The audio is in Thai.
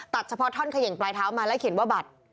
เฉพาะท่อนเขย่งปลายเท้ามาแล้วเขียนว่าบัตร